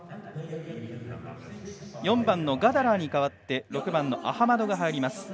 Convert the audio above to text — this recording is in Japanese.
４番、ガダラーに代わって６番のアハマドが入ります。